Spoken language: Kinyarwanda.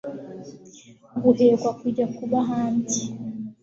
guhakwa kujya kuba ahandi